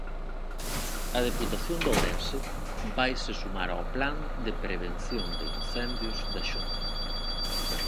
A Deputación de Ourense vaise sumar ao plan de prevención de incendios da Xunta.